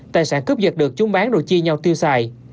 tài sản cướp dật được chúng bán đồ chia nhau tiêu xài